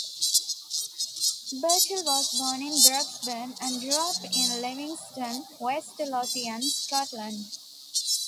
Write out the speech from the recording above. Burchill was born in Broxburn and grew up in Livingston, West Lothian, Scotland.